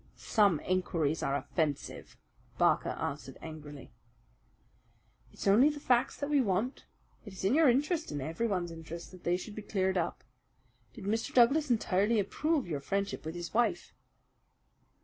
"Some inquiries are offensive," Barker answered angrily. "It's only the facts that we want. It is in your interest and everyone's interest that they should be cleared up. Did Mr. Douglas entirely approve your friendship with his wife?"